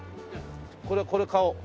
これこれ買おう。